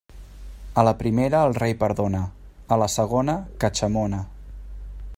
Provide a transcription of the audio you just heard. A la primera el rei perdona; a la segona, catxamona.